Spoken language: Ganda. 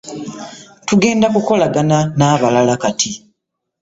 Tugenda kukolagana na balala kati.